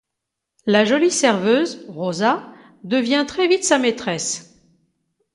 La jolie serveuse, Rosa, devient très vite sa maîtresse.